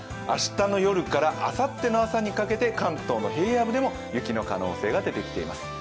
明日の夜からあさっての朝にかけて関東の平野部でも雪の可能性が出てきています。